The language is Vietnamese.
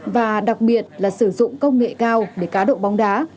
và đặc biệt là sử dụng công nghệ cao để cá độ bóng đá